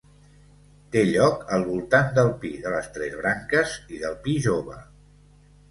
Té lloc al voltant del Pi de les Tres Branques i del Pi Jove.